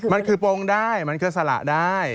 มันคือโปรงได้มันก็สละได้